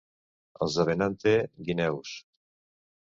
Els de Benante, guineus.